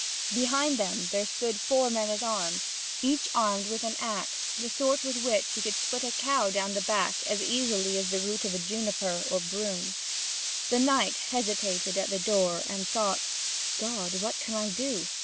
Behind them there stood four men at arms, each armed with an axe the sort with which you could split a cow down the back as easily as a root of juniper or broom. The knight hesitated at the door, and thought: "God, what can I do?